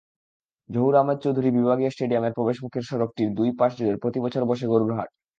জহুর আহমেদ চৌধুরী বিভাগীয় স্টেডিয়ামের প্রবেশমুখের সড়কটির দুই পাশজুড়ে প্রতিবছর বসে গরুর হাট।